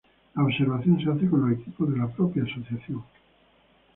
La observación se hace con los equipos de la propia asociación.